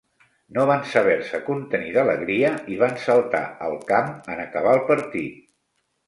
No van saber-se contenir d'alegria i van saltar al camp en acabar el partit.